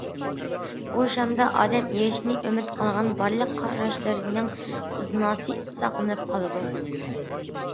ئۇ شامدا ئادەم ئېرىشىشنى ئۈمىد قىلغان بارلىق قاراشلىرىنىڭ ئىزناسى ساقلىنىپ قالىدۇ.